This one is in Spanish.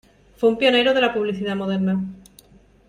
Fue un pionero de la publicidad moderna.